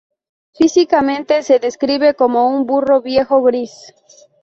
Físicamente, se describe como un burro viejo gris.